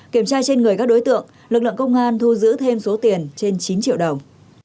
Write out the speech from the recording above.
kiểm tra trên người các đối tượng lực lượng công an thu giữ thêm số tiền trên chín triệu đồng